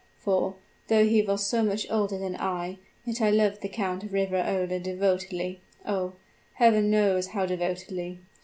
For, though he was so much older than I, yet I loved the Count of Riverola devotedly. Oh! Heaven knows how devotedly!